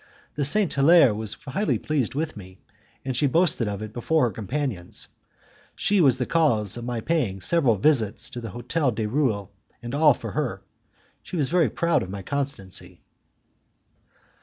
The Saint Hilaire was highly pleased with me, and she boasted of it before her companions. She was the cause of my paying several visits to the Hotel du Roule, and all for her; she was very proud of my constancy.